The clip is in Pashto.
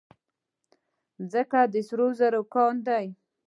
ځمکه د سرو زرو کان دی.